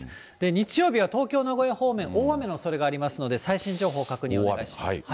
日曜日は東京、名古屋方面、大雨のおそれがありますので、最新情報確認をお願いします。